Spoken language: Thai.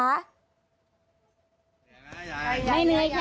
ไม่เหนื่อยค่ะไม่เหนื่อยสนุกค่ะ